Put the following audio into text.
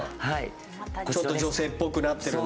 ちょっと女性っぽくなってるんだ